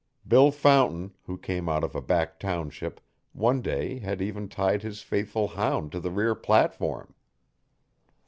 Bill Fountain, who came out of a back township, one day had even tied his faithful hound to the rear platform.